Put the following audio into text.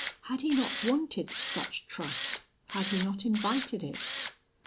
Had he not wanted such trust had he not invited it?